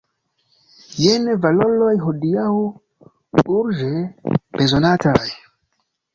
Jen valoroj hodiaŭ urĝe bezonataj!